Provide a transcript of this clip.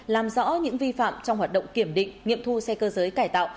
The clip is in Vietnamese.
làm rõ những vi phạm trong hoạt động kiểm định nghiệm thu xe cơ giới cải tạo